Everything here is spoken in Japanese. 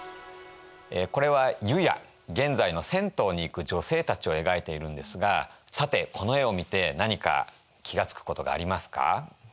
これは湯屋現在の銭湯に行く女性たちを描いているんですがさてこの絵を見て何か気が付くことがありますか？